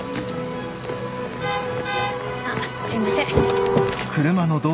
・あすいません。